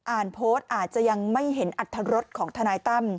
อ่านโพสต์อาจจะยังไม่เห็นอัตรรสของทนายตั้ม